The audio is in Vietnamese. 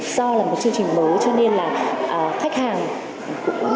do là một chương trình mới